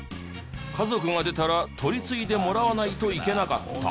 家族が出たら取り次いでもらわないといけなかった。